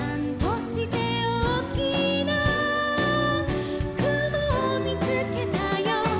「おおきなくもをみつけたよ」